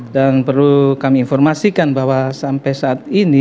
dan perlu kami informasikan bahwa sampai saat ini